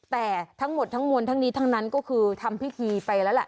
แต่ทั้งหมดทั้งมวลทั้งนี้ทั้งนั้นก็คือทำพิธีไปแล้วแหละ